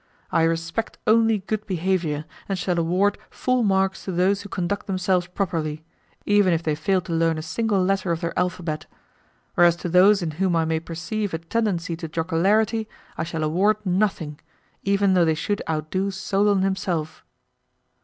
I respect only good behaviour, and shall award full marks to those who conduct themselves properly, even if they fail to learn a single letter of their alphabet: whereas to those in whom I may perceive a tendency to jocularity I shall award nothing, even though they should outdo Solon himself."